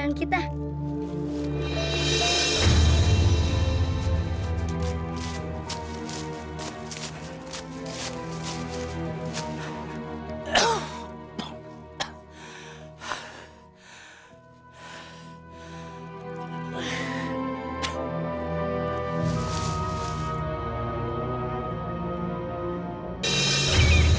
ya udah kita pergi dulu ya